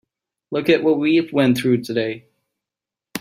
Look at what we went through today.